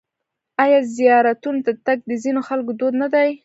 آیا زیارتونو ته تګ د ځینو خلکو دود نه دی؟